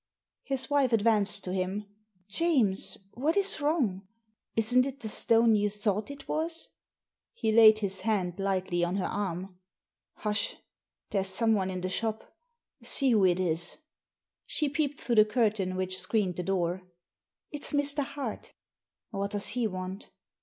His wife advanced to him. "James, what is wrong? Isn't it the stone you thought it was?" He laid his hand lightly on her arm. " Hush ! There's someone in the shop. See who it is." She peeped through the curtain which screened the door. "It's Mr. Hart" "What does he want?"